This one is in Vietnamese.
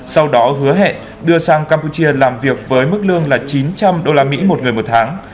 sau đó hứa hẹn đưa sang campuchia làm việc với mức lương là chín trăm linh usd một người một tháng